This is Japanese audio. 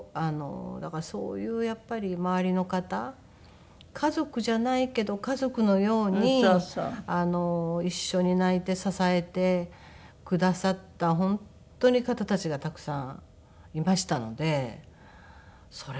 だからそういうやっぱり周りの方家族じゃないけど家族のように一緒に泣いて支えてくださった本当に方たちがたくさんいましたのでそれはやっぱりありがたいな。